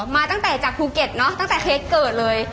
มาตั้งแต่จากภูเก็ตเนอะตั้งแต่เค้กเกิดเลย